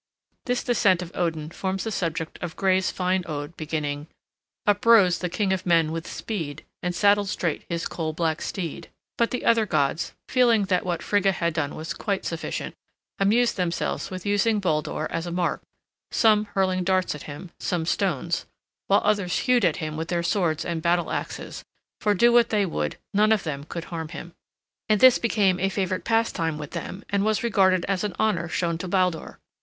This Descent of Odin forms the subject of Gray's fine ode beginning, "Uprose the king of men with speed And saddled straight his coal black steed" But the other gods, feeling that what Frigga had done was quite sufficient, amused themselves with using Baldur as a mark, some hurling darts at him, some stones, while others hewed at him with their swords and battle axes; for do what they would, none of them could harm him. And this became a favorite pastime with them and was regarded as an honor shown to Baldur.